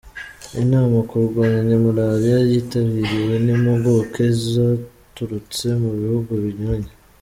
Inama ku kurwanya malariya yitabiriwe n’impuguke zaturutse mu bihugu binyuranye.